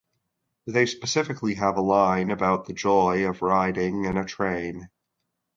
They specifically have a line about the joy of riding in a train.